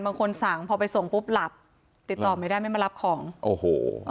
บางคนสั่งพอไปส่งปุ๊บหลับติดต่อไม่ได้ไม่มารับของโอ้โห